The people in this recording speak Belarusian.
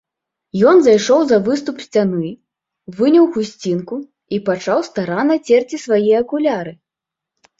Ён зайшоў за выступ сцяны, выняў хусцінку і пачаў старанна церці свае акуляры.